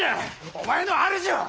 お前の主は！？